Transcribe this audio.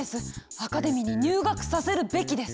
アカデミーに入学させるべきです！